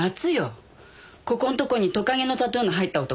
ここんとこにトカゲのタトゥーの入った男。